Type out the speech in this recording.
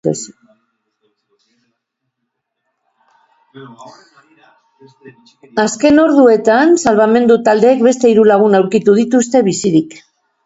Azken orduetan, salbamendu taldeek beste hiru lagun aurkitu dituzte bizirik.